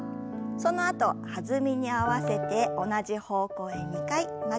そのあと弾みに合わせて同じ方向へ２回曲げて戻します。